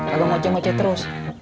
agak ngoceh ngoceh terus